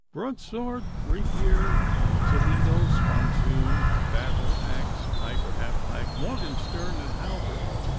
'Broadsword, rapier, Toledo, spontoon, battle axe, pike or half pike, morgenstiern, and halbert.